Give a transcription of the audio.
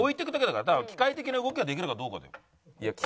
だから機械的な動きができるかどうかだよ。